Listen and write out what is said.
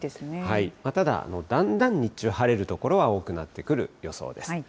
ただ、だんだん日中、晴れる所は多くなってくる予想です。